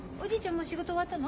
もう仕事終わったの？